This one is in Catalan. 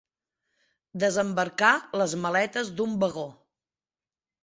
Desembarcar les maletes d'un vagó.